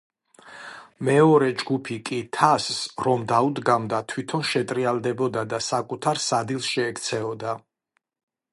მეორე ჯგუფი კი თასს რომ დაუდგამდა, თვითონ შეტრიალდებოდა და საკუთარ სადილს შეექცეოდა.